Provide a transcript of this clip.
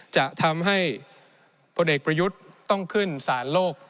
จะทำให้พลเอกประยุทธ์ต้องขึ้นสารโลก